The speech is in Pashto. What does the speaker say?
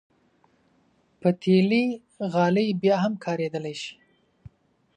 پتېلي غالۍ بیا هم کارېدلی شي.